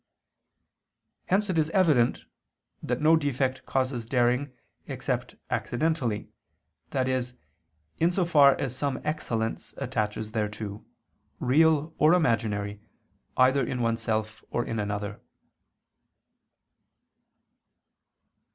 Hence it is evident that no defect causes daring except accidentally, i.e. in so far as some excellence attaches thereto, real or imaginary, either in oneself or in another.